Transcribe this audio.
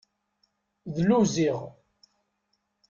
Dlu ziɣ.